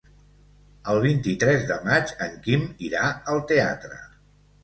El vint-i-tres de maig en Quim irà al teatre.